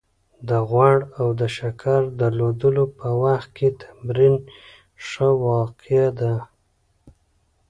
د غوړ او د شکر درلودلو په وخت کې تمرین يې ښه وقايه ده